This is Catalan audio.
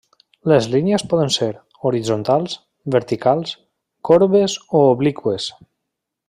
Les línies poden ser, horitzontals, verticals, corbes o obliqües.